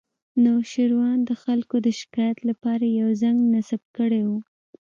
نوشیروان د خلکو د شکایت لپاره یو زنګ نصب کړی و